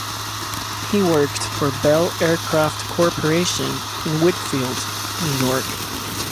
He worked for Bell Aircraft Corporation in Wheatfield, New York.